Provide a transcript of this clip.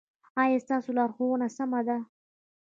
ایا ستاسو لارښوونه سمه ده؟